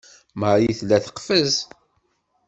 Marie tella teqfez.